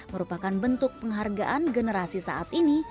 merupakan bentuk penghargaan generasi saat ini